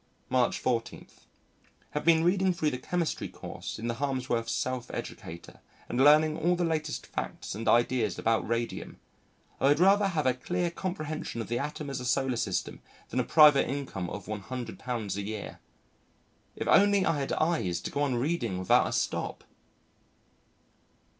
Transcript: March 14. Have been reading through the Chemistry Course in the Harmsworth Self Educator and learning all the latest facts and ideas about radium. I would rather have a clear comprehension of the atom as a solar system than a private income of £100 a year. If only I had eyes to go on reading without a stop!